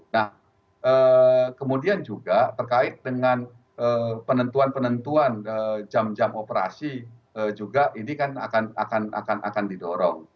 nah kemudian juga terkait dengan penentuan penentuan jam jam operasi juga ini kan akan didorong